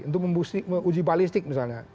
untuk uji balistik misalnya